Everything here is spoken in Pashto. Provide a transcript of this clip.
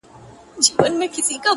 بيا خپه يم مرور دي اموخته کړم.